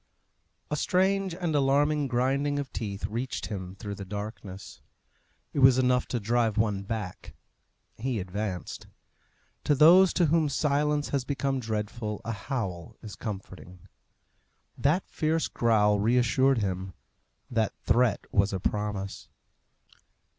A strange and alarming grinding of teeth reached him through the darkness. It was enough to drive one back: he advanced. To those to whom silence has become dreadful a howl is comforting. That fierce growl reassured him; that threat was a promise.